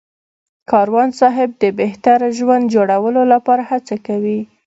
کاروان صاحب د بهتره ژوند جوړولو لپاره هڅه کوي.